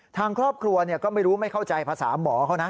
ทางครอบครัวก็ไม่รู้ไม่เข้าใจภาษาหมอเขานะ